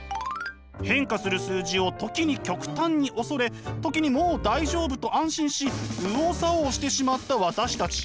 変化する数字を時に極端に恐れ時にもう大丈夫と安心し右往左往してしまった私たち。